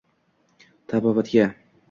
Tabobatga